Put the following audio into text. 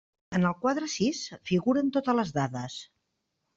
En el quadre sis figuren totes les dades.